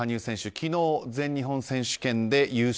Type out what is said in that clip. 昨日、全日本選手権で優勝。